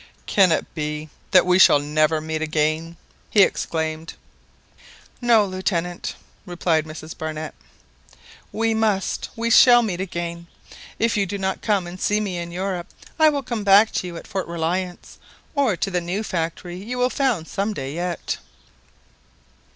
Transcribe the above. "Can it be that we shall never meet again?" he exclaimed. "No, Lieutenant," replied Mrs Barnett;" we must, we shall meet again. If you do not come and see me in Europe, I will come back to you at Fort Reliance, or to the new factory you will found some day yet."